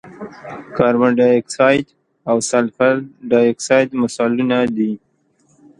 کاربن ډای اکسایډ او سلفر ډای اکساید مثالونه دي.